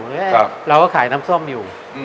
แรกเราก็ขายน้ำส้มอยู่